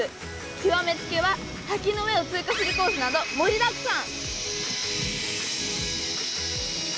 極め付きは滝の上を通過するコースなど盛りだくさん。